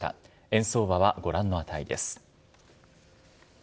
円相場はご覧の値です。